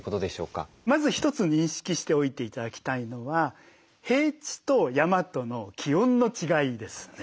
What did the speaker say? まず一つ認識しておいて頂きたいのは平地と山との気温の違いですね。